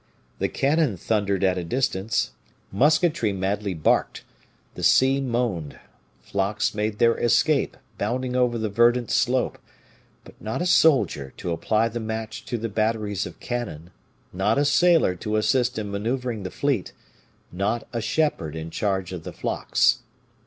The cannon thundered at a distance, musketry madly barked, the sea moaned, flocks made their escape, bounding over the verdant slope. But not a soldier to apply the match to the batteries of cannon, not a sailor to assist in maneuvering the fleet, not a shepherd in charge of the flocks.